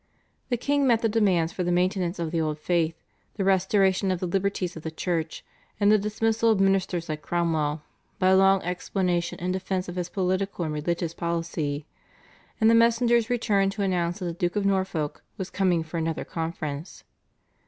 The king met the demands for the maintenance of the old faith, the restoration of the liberties of the Church, and the dismissal of ministers like Cromwell by a long explanation and defence of his political and religious policy, and the messengers returned to announce that the Duke of Norfolk was coming for another conference.